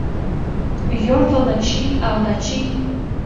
Йорло Начий, Алдачий